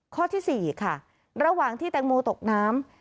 ข้อที่๔ค่ะระหว่างที่แตงโมตกน้ำ